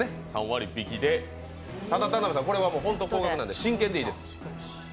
３割引きでただ、田辺さん、これは高額なんで真剣でいいです。